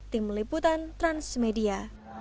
tim liputan transmedia